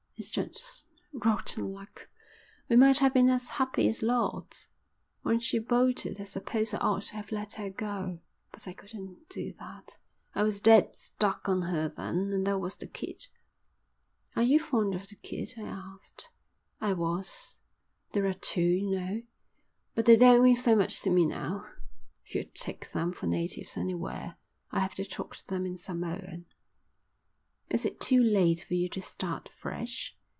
It's just rotten luck. We might have been as happy as lords. When she bolted I suppose I ought to have let her go, but I couldn't do that I was dead stuck on her then; and there was the kid." "Are you fond of the kid?" I asked. "I was. There are two, you know. But they don't mean so much to me now. You'd take them for natives anywhere. I have to talk to them in Samoan." "Is it too late for you to start fresh?